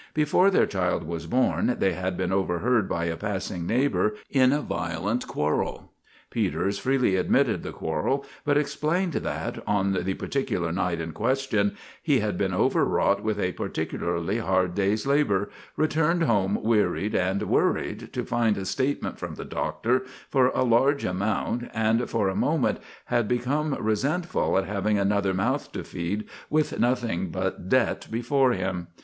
Before their child was born they had been overheard by a passing neighbour in a violent quarrel. Peters freely admitted the quarrel, but explained that, on the particular night in question, he had been over wrought with a particularly hard day's labour, returned home wearied and worried to find a statement from the doctor for a large amount, and for a moment had become resentful at having another mouth to feed with nothing but debt before him.